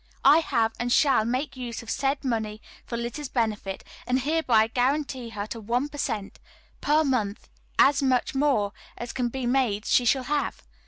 "I have and shall make use of said money for Lizzy's benefit, and hereby guarantee to her one per cent. per month as much more as can be made she shall have.